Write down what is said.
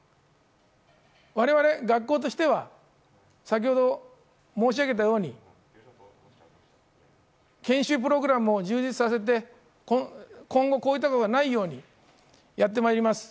我々学校としては先程、申し上げたように研修プログラムを充実させて、今後こういったことがないようにやってまいります。